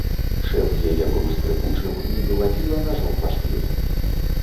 Шэпт яе быў скрыпучым, нібы вадзіла нажом па шкле.